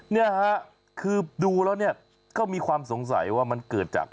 เนี่ยฮะคือดูแล้วเนี่ยก็มีความสงสัยว่ามันเกิดจาก